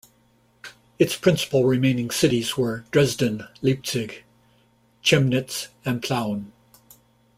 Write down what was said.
Its principal remaining cities were Dresden, Leipzig, Chemnitz, and Plauen.